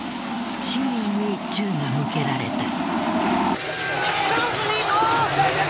市民に銃が向けられた。